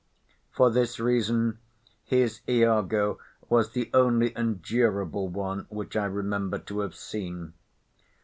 For this reason, his Iago was the only endurable one which I remember to have seen.